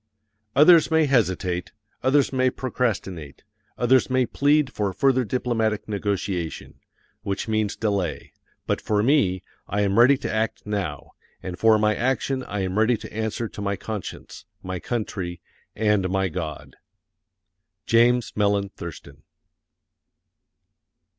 Others may hesitate, others may procrastinate, others may plead for further diplomatic negotiation, which means delay; but for me, I am ready to act now, and for my action I am ready to answer to my conscience, my country, and my God. JAMES MELLEN THURSTON.